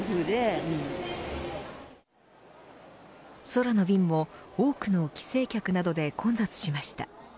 空の便も多くの帰省客などで混雑しました。